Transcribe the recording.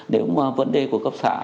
nếu mà vấn đề của cấp xã